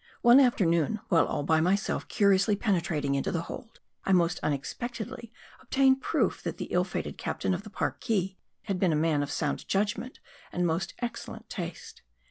One afternoon while all by myself curiously penetrating into the hold, I most unexpectedly obtained proof, that the ill fated captain of the Parki had been a man of sound judgment and most excellent taste.